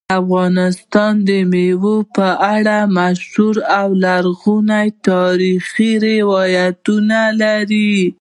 افغانستان د مېوو په اړه مشهور او لرغوني تاریخی روایتونه لري.